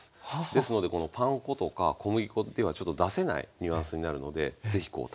ですのでこのパン粉とか小麦粉っていうのはちょっと出せないニュアンスになるので是非こう試して頂きたいと思います。